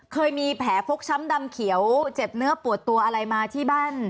เคยมีแผลฟกช้ำดำเขียวเจ็บเนื้อปวดตัวอะไรมาที่บ้าน